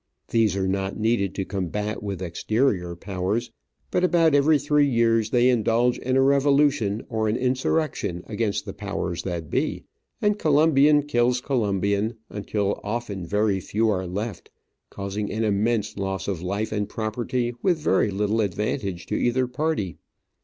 These are not needed to combat with exterior Powers ; but about every three years they indulge in a revolution or an insurrection against the powers that be, and Colombian kills Colombian, until often very few are left, causing an immense loss of life and property with very little advantage to either party.